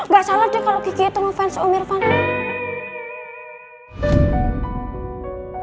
gak salah deh kalo kiki itu mau fans om irfan